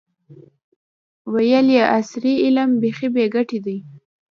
ویل یې عصري علم بیخي بې ګټې دی.